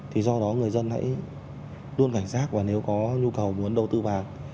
thì do đó người dân hãy luôn cảnh giác và nếu có nhu cầu muốn đầu tư vàng